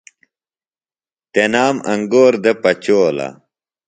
تنام انگور دےۡ پچولہ۔